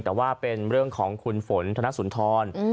แต่ว่าเป็นเรื่องของคุณฝนธนสุนทร